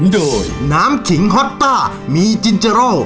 โดยน้ำขิงฮอตต้ามีจินเจโร่